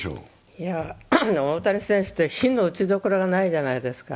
大谷選手って非の打ちどころがないじゃないですか。